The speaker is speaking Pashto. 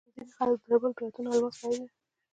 ځینې خلک د ډبرو په لټون کې الماس بایلي.